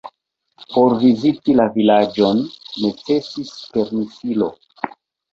Por viziti la vilaĝon necesis permesilo.